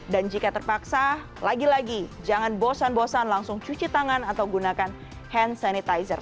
dan jika terpaksa lagi lagi jangan bosan bosan langsung cuci tangan atau gunakan hand sanitizer